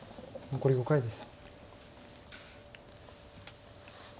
残り５回です。